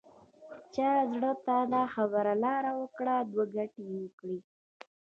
چا زړه ته دا خبره لاره وکړي دوه ګټې وکړي.